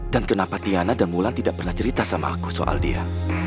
dan kenapa tiana dan mulan tidak pernah cerita sama aku soal dia